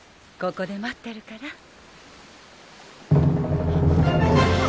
ここで待ってるから。